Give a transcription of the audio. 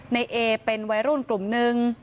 ในเอเป็นวัยรุ่นกลุ่มนึง